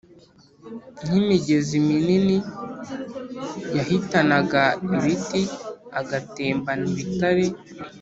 nk imigezi minini Yahitanaga ibiti agatembana ibitare